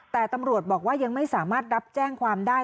แต่ตำรวจบอกว่ายังไม่สามารถรับแจ้งความได้